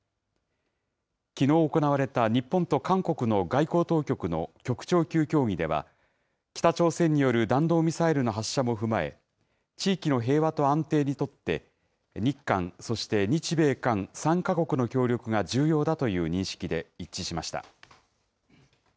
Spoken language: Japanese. きのう行われた日本と韓国の外交当局の局長級協議では、北朝鮮による弾道ミサイルの発射も踏まえ、地域の平和と安定にとって、日韓そして日米韓３か国の協力が重要だという認識で一致しました。